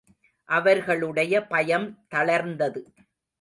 அவர்களுடைய பயம் தளர்ந்தது.